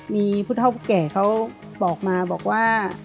มีผู้เท่าผู้แก่เขาบอกมาบอกว่า